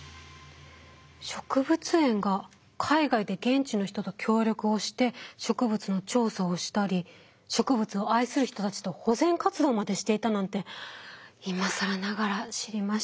植物園が海外で現地の人と協力をして植物の調査をしたり植物を愛する人たちと保全活動までしていたなんて今更ながら知りました。